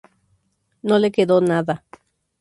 No le quedó nada.